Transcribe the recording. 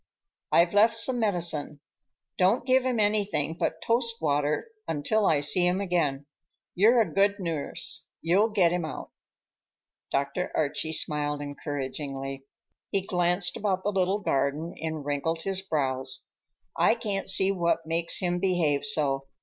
I've left some medicine. Don't give him anything but toast water until I see him again. You're a good nurse; you'll get him out." Dr. Archie smiled encouragingly. He glanced about the little garden and wrinkled his brows. "I can't see what makes him behave so.